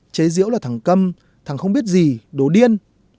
chế diễu là thằng câm thằng không biết gì đồ điên